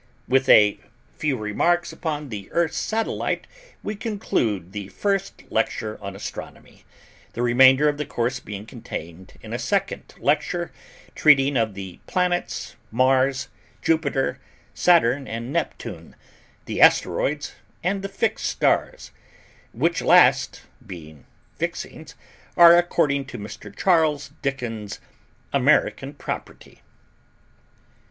With a few remarks upon the Earth's Satellite, we conclude the first Lecture on Astronomy; the remainder of the course being contained in a second Lecture, treating of the planets, Mars, Jupiter, Saturn and Neptune, the Asteroids, and the fixed stars, which last, being "fixings," are, according to Mr. Charles Dickens, American property.